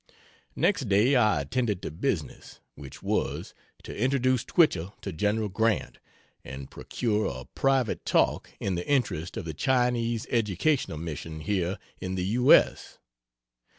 Next day I attended to business which was, to introduce Twichell to Gen. Grant and procure a private talk in the interest of the Chinese Educational Mission here in the U. S.